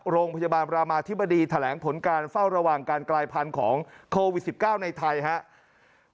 โรงพยาบาลรามาธิบดีแถลงผลการเฝ้าระวังการกลายพันธุ์ของโควิด๑๙ในไทยครับ